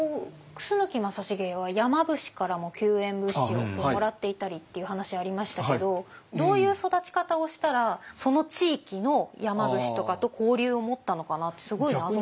楠木正成は山伏からも救援物資をもらっていたりっていう話ありましたけどどういう育ち方をしたらその地域の山伏とかと交流を持ったのかなってすごい謎で。